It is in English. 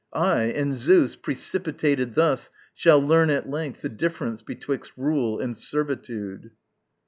Ay, and Zeus, Precipitated thus, shall learn at length The difference betwixt rule and servitude.